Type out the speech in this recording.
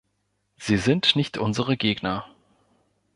Sie sind nicht unsere Gegner.